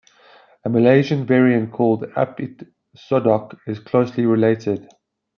A Malaysian variant called Apit-sodok is closely related.